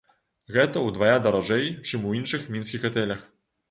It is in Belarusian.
Гэта ўдвая даражэй, чым у іншых мінскіх гатэлях.